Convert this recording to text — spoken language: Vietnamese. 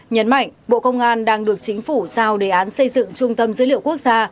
nhấn mạnh bộ công an đang được chính phủ giao đề án xây dựng trung tâm dữ liệu quốc gia